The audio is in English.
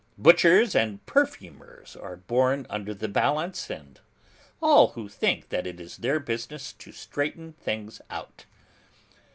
Butchers and perfumers are born under the Balance, and all who think that it is their business to straighten things out.